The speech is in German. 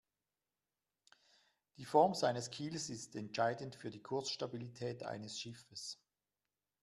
Die Form seines Kiels ist entscheidend für die Kursstabilität eines Schiffes.